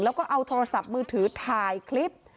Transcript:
แล้วก็เอาโทรศัพท์มือถือถ่ายคลิป